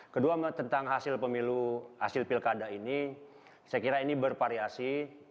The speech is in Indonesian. kedua tentang hasil pemilu hasil pilkada ini saya kira ini bervariasi